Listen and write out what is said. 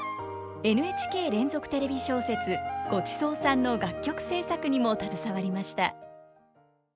ＮＨＫ連続テレビ小説「ごちそうさん」の楽曲制作にも携わりました。